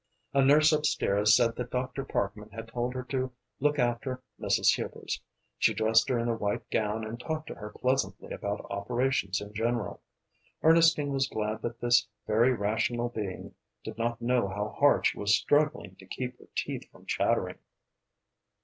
A nurse upstairs said that Dr. Parkman had told her to look after Mrs. Hubers. She dressed her in a white gown and talked to her pleasantly about operations in general. Ernestine was glad that this very rational being did not know how hard she was struggling to keep her teeth from chattering.